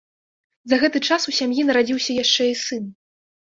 За гэты час у сям'і нарадзіўся яшчэ і сын.